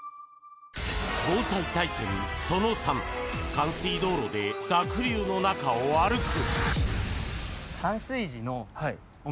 防災体験その３冠水道路で濁流の中を歩く。